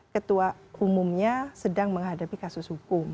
ketua umumnya sedang menghadapi kasus hukum